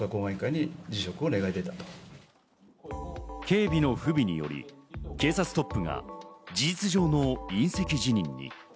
警備の不備により警察のトップが事実上の引責辞任に。